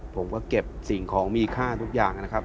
ผมก็เก็บสิ่งของมีค่าทุกอย่างนะครับ